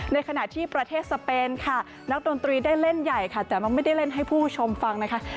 ในขณะที่ประเทศสเปนค่ะนักดนตรีได้เล่นใหญ่ค่ะแต่มันไม่ได้เล่นให้ผู้ชมฟังนะคะ